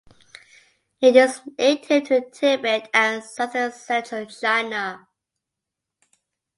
It is native to Tibet and southern central China.